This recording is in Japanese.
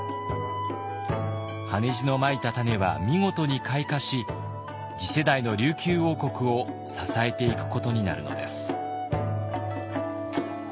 羽地のまいた種は見事に開花し次世代の琉球王国を支えていくことになるのです。